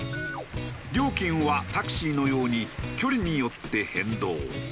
料金はタクシーのように距離によって変動。